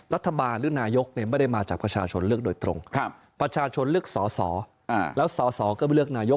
รัฐบาลหรือนายกไม่ได้มาจากประชาชนเลือกโดยตรงประชาชนเลือกสอสอแล้วสอสอก็เลือกนายก